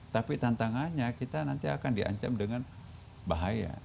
tapi tantangannya kita nanti akan diancam dengan bahaya